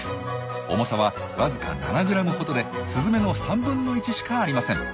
重さはわずか７ｇほどでスズメの３分の１しかありません。